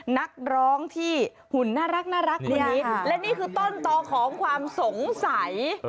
นักร้องที่หุ่นน่ารักนี้และนี่คือต้นต่อของความสงสัย